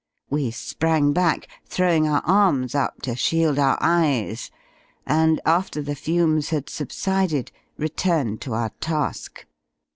We sprang back, throwing our arms up to shield our eyes, and after the fumes had subsided returned to our task.